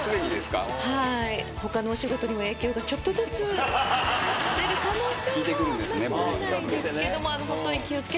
他のお仕事にも影響がちょっとずつ出る可能性もなくはないですけど。